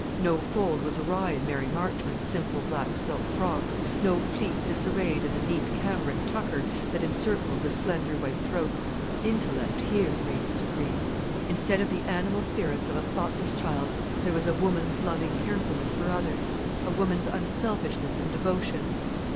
No fold was awry in Mary Marchmont's simple black silk frock; no plait disarranged in the neat cambric tucker that encircled the slender white throat. Intellect here reigned supreme. Instead of the animal spirits of a thoughtless child, there was a woman's loving carefulness for others, a woman's unselfishness and devotion.